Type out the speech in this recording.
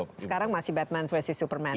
jadi sekarang masih batman vs superman